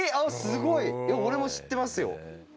すごい！俺も知ってますよ。